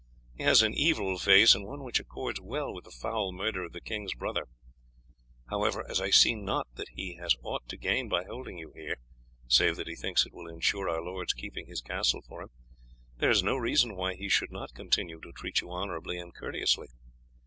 He has an evil face, and one which accords well with the foul murder of the king's brother. However, as I see not that he has aught to gain by holding you here, save that he thinks it will ensure our lord's keeping his castle for him, there is no reason why he should not continue to treat you honourably and courteously.